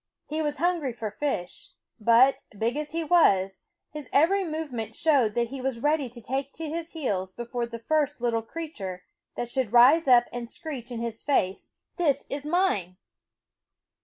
He was hungry for fish ; but, big as he was, his every movement showed that he was ready to take to his heels before the first little crea ture that should rise up and screech in his face :" This is mine